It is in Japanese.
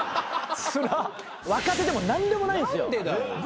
若手でも何でもないんすよ。